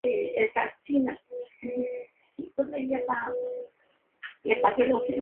El equipo durante los últimos años ha predominado las carreras de Ciclocrós.